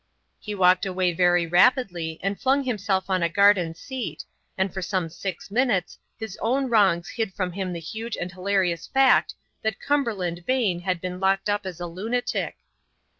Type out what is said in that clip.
He walked away very rapidly and flung himself on a garden seat, and for some six minutes his own wrongs hid from him the huge and hilarious fact that Cumberland Vane had been locked up as a lunatic.